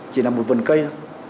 chỉ là một vườn cây